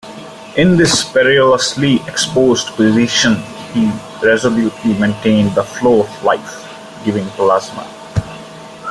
In this perilously exposed position, he resolutely maintained the flow of life-giving plasma.